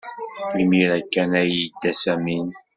Imir-a kan ay yedda Samim